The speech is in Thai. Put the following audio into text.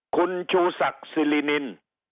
คุณชูศักดิ์สิรินิน